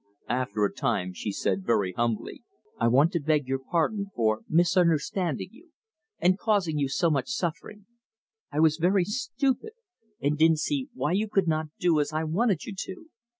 After a time she said very humbly: "I want to beg your pardon for misunderstanding you and causing you so much suffering. I was very stupid, and didn't see why you could not do as I wanted you to."